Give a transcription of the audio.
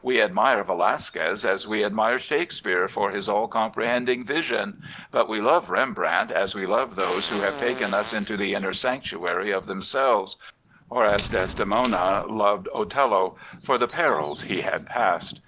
We admire Velasquez as we admire Shakespeare for his all comprehending vision; but we love Rembrandt as we love those who have taken us into the inner sanctuary of themselves, or as Desdemona loved Othello, for the perils he had passed.